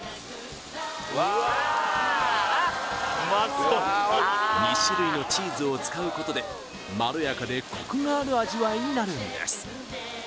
そこへ２種類のチーズを使うことでまろやかでコクがある味わいになるんです